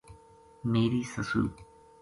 میری سُسو